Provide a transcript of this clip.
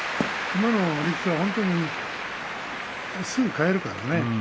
今の力士はすぐ替えるからね。